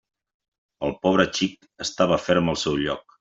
El pobre xic estava ferm al seu lloc.